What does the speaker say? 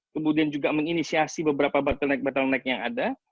kemudian juga menginisiasi beberapa bottleneck bottleneck yang ada